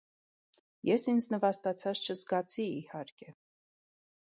Ես ինձ նվաստացած չզգացի, իհարկե: